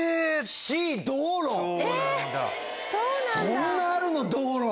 そんなあるの道路。